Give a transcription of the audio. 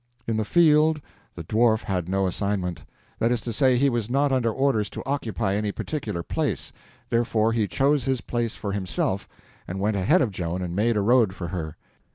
In the field the Dwarf had no assignment; that is to say, he was not under orders to occupy any particular place, therefore he chose his place for himself, and went ahead of Joan and made a road for her.